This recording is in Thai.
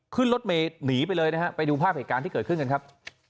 ขึ้นรถเมย์หนีไปเลยนะฮะไปดูภาพเหตุการณ์ที่เกิดขึ้นกันครับ